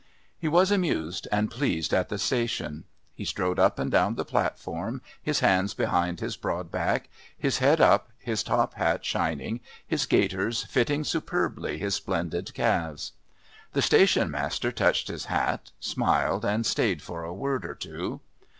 He was amused and pleased at the station. He strode up and down the platform, his hands behind his broad back, his head up, his top hat shining, his gaiters fitting superbly his splendid calves. The station master touched his hat, smiled, and stayed for a word or two.